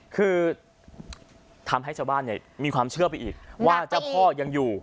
คือทำให้ชาวบ้านเนี่ยมีความเชื่อไปอีกว่าเจ้าพ่อยังอยู่